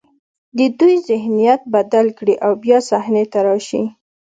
د دوی ذهنیت بدل کړي او بیا صحنې ته راشي.